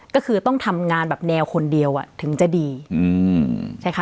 ก็คือต้องทำงานแบบแนวคนเดียวถึงจะดีใช่ไหมคะ